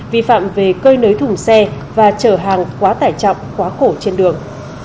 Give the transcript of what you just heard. vi phạm về cơi nới thủng xe và trở hàng quá tải trọng quá khổ trên đường